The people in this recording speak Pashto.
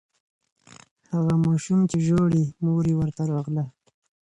هغه ماشوم چې ژاړي، مور یې ورته راغله.